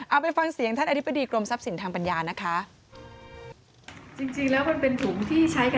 เอาไปฟังเสียงท่านอธิบดีกรมทรัพย์สินทางปัญญานะคะ